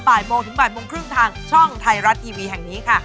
บ่ายโมงถึงบ่ายโมงครึ่งทางช่องไทยรัฐทีวีแห่งนี้ค่ะ